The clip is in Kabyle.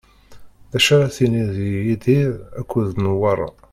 D acu ara tiniḍ di Yidir akked Newwara?